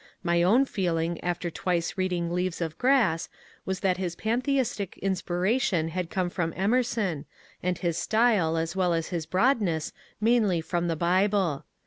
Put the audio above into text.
My own feeling after twice reading ^^ Leaves of Grass " was that his pantheistic inspira tion had come from Emerson, and his style as well as his broadness mainly from the Bible.